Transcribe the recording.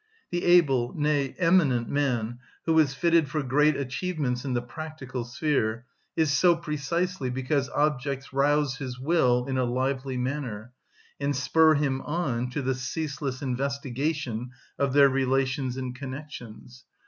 The able, nay, eminent man, who is fitted for great achievements in the practical sphere, is so precisely because objects rouse his will in a lively manner, and spur him on to the ceaseless investigation of their relations and connections.